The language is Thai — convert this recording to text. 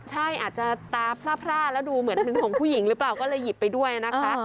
ใช่อาจจะตาพร่าเผราแล้วดูเหมือนเหมือนของขึ้นผู้หญิงเรื่อยิบไปด้วยเลยนะคะ